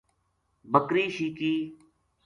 بکری شِیکی